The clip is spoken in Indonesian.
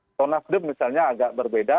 atau nasdem misalnya agak berbeda